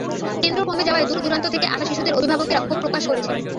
কেন্দ্র কমে যাওয়ায় দূর-দুরান্ত থেকে আসা শিশুদের অভিভাবকেরা ক্ষোভ প্রকাশ করেছেন।